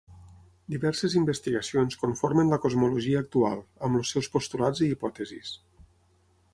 Diverses investigacions conformen la cosmologia actual, amb els seus postulats i hipòtesis